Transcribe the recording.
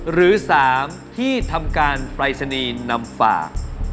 หรือ๓ที่ทำการปรายศนีย์นำฝาก